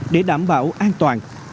để đảm bảo an toàn